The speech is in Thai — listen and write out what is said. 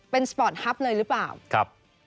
เป็นสปอร์ตฮัพเลยหรือเปล่าครับ